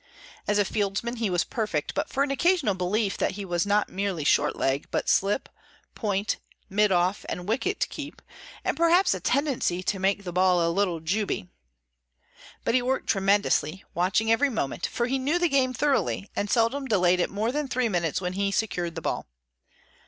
As a fieldsman he was perfect, but for an occasional belief that he was not merely short leg, but slip, point, midoff, and wicket keep; and perhaps a tendency to make the ball a little "jubey." But he worked tremendously, watching every movement; for he knew the game thoroughly, and seldom delayed it more than three minutes when he secured the ball.